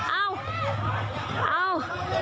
เอาเอา